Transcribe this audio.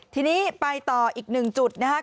ทีนี้ไปต่ออีก๑จุดนะครับ